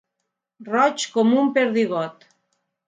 Roig com un perdigot.